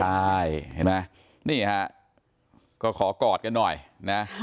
ใช่เห็นไหมนี่ฮะก็ขอกอดกันหน่อยนะ